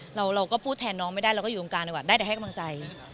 เราก็พูดแทนน้องไม่ได้เราก็อยู่วงการดีกว่าได้แต่ให้กำลังใจ